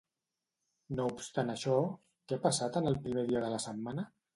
No obstant això, què ha passat en el primer dia de la setmana?